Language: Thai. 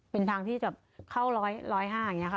เป็นทางที่จะเข้า๑๐๕อย่างนี้ค่ะ